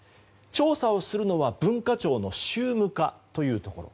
調査をするのは文化庁の宗務課というところ。